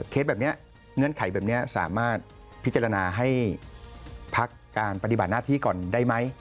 เคสแบบนี้เงื่อนไขแบบนี้สามารถพิจารณาให้พักการปฏิบัติหน้าที่ก่อนได้ไหม